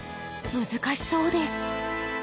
難しそうです。